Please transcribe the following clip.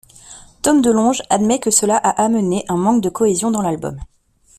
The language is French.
Tom DeLonge admet que cela a amené un manque de cohésion dans l'album.